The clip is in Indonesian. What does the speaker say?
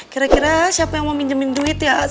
kira kira siapa yang mau minjemin duit ya